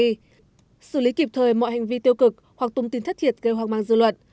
xử lý kịp thời mọi hành vi tiêu cực hoặc tông tin thất thiệt gây hoang mang dư luận